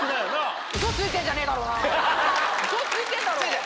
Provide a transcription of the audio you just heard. ウソついてんだろ！